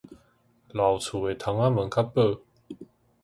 老厝的窗仔門較薄